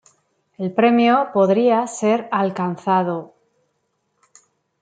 El premio podría ser alcanzado.